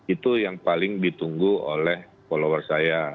itu yang paling ditunggu oleh follower saya